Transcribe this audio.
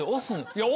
いや。